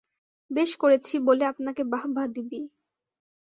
বেশ করেছি বলে আপনাকে বাহবা দিবি।